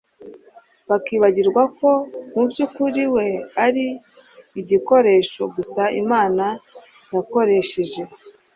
bakibagirwa ko mu by’ukuri we ari igikoresho gusa Imana yakoresheje